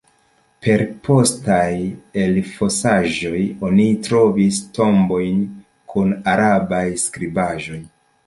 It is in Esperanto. Per postaj elfosaĵoj oni trovis tombojn kun arabaj skribaĵoj.